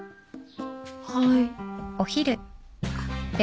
はい。